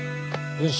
よし。